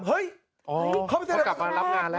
เฮ้ยเขาจะกลับมารับงานแล้ว